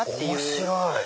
面白い！